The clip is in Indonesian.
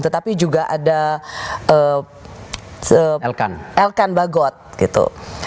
tetapi juga ada elkan bagot gitu